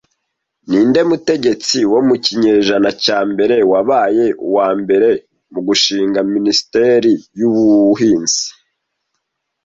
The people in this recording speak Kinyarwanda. Ninde mutegetsi wo mu kinyejana cya mbere wabaye uwambere mu gushinga minisiteri yubuhinzi